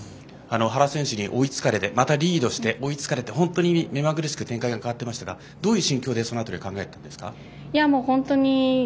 原選手に追いつかれてリードして、また追いつかれて本当に目まぐるしく展開が変わってましたがどういう心境でその辺りは考えたんですか？